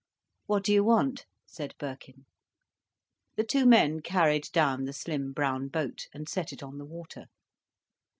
"What do you want?" said Birkin. The two men carried down the slim brown boat, and set it on the water.